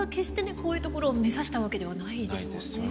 こういうところを目指したわけではないですもんね。